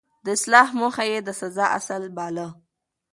د اصلاح موخه يې د سزا اصل باله.